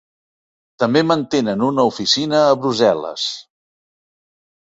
També mantenen una oficina a Brussel·les.